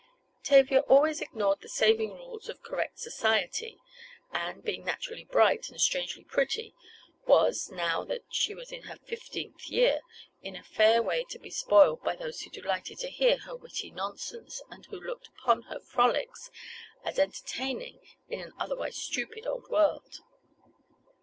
Tavia always ignored the saving rules of correct society, and, being naturally bright, and strangely pretty was, now that she was in her fifteenth year, in a fair way to be spoiled by those who delighted to hear her witty nonsense, and who looked upon her frolics as entertaining in an otherwise stupid old world.